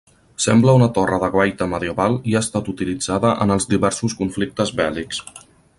Sembla una torre de guaita medieval i ha estat utilitzada en els diversos conflictes bèl·lics.